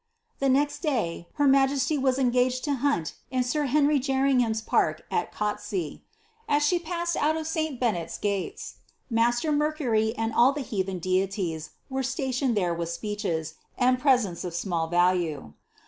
The next day, her majesty was engaged to hunt in sir Henry Jerning ham'^s park at Cottessy ; as she passed out of St Bennet's Gates, master Mercury and all the heathen deities were stationed there with speeches, and presents of small value.